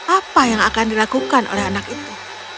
apa yang akan dilakukan oleh anak itu